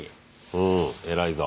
うん偉いぞ。